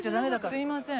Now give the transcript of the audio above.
すみません。